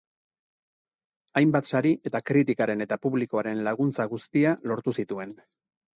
Hainbat sari eta kritikaren eta publikoaren laguntza guztia lortu zituen.